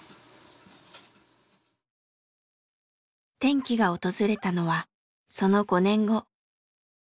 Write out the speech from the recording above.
転機が訪れたのはその５年後。